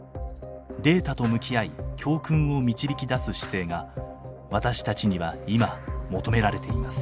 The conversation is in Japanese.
データと向き合い教訓を導き出す姿勢が私たちには今求められています。